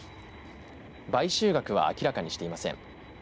買収額は明らかにしていません。